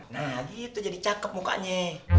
nah gitu jadi cakep mukanya